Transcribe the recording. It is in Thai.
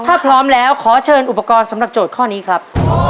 ถ้าพร้อมแล้วขอเชิญอุปกรณ์สำหรับโจทย์ข้อนี้ครับ